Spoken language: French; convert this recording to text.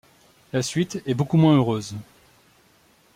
La suite est beaucoup moins heureuse.